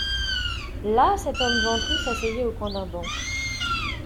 Là cet homme ventru s'asseyait au coin d'un banc.